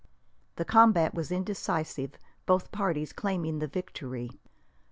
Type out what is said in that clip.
The combat was indecisive, both parties claiming the victory.